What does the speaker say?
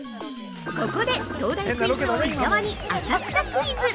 ◆ここで東大クイズ王・伊沢に、浅草クイズ！